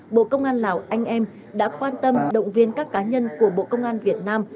bộ công an lào anh em đã quan tâm động viên các cá nhân của bộ công an việt nam